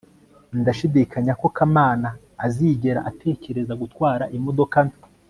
ndashidikanya ko kamana azigera atekereza gutwara imodoka nto